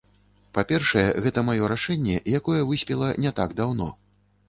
Па-першае, гэта маё рашэнне, якое выспела не так даўно.